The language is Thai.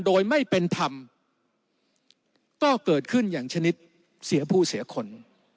โดยไม่เป็นธรรมก็เกิดขึ้นอย่างชนิดเสียผู้เสียคน